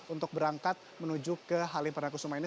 untuk berangkat menuju ke halim perdana kusuma ini